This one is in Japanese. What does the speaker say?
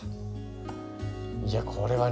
いやこれはね